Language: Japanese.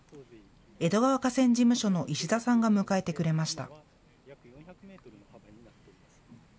江戸川河川事務所の石田さんが迎えてくれました。